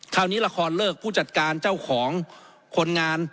คราวนี้ละครเลิกผู้จัดการเจ้าของคนงาน